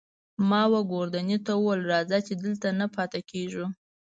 ما وه ګوردیني ته وویل: راځه، چې دلته نه پاتې کېږو.